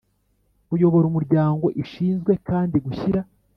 kuyobora Umuryango Ishinzwe kandi gushyira